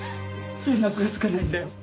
連絡がつかないんだよ。